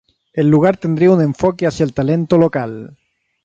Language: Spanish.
El lugar tendría un enfoque hacia el talento local.